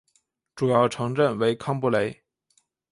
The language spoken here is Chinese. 主要城镇为康布雷。